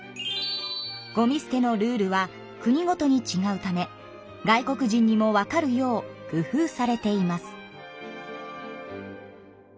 ごみすてのルールは国ごとにちがうため外国人にもわかるよう工夫されています。